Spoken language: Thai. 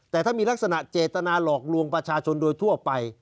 แต่ถ้ามีลักษณะเจตนาหลอกลวงประชาชนโดยทั่วไป